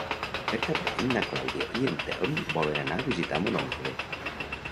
Per Cap d'Any na Clàudia i en Telm volen anar a visitar mon oncle.